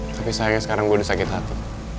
tapi sayangnya sekarang gue udah sakit hati